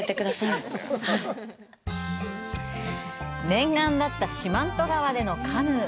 念願だった四万十川でのカヌー。